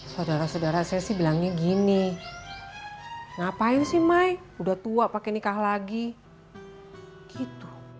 saudara saudara saya sih bilangnya gini ngapain sih mai udah tua pakai nikah lagi gitu